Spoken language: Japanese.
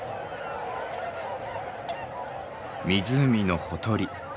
湖のほとり。